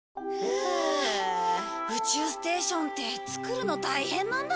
宇宙ステーションって作るの大変なんだね。